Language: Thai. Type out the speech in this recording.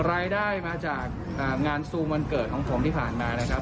รายได้มาจากงานซูมวันเกิดของผมที่ผ่านมานะครับ